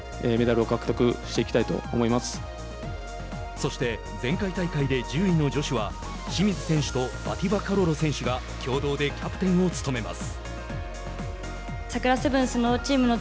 そして、前回大会で１０位の女子は清水選手とバティヴァカロロ選手が共同でキャプテンを務めます。